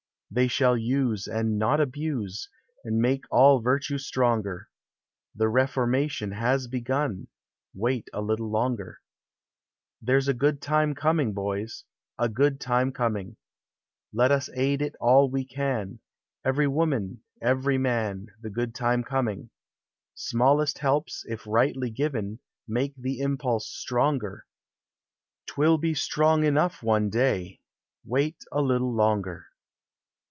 They shall use, and not abuse, And make all virtue stronger ; The reformation has begun ;— Wait a little longer. There's a good time coming, boys> A good time coining : Let us aid it all we can, Every woman, every man, The good time coming : Smallest helps, if rightly given, Make the impulse stronger ; T will be strong enough one day ;— Wait a Little Longer.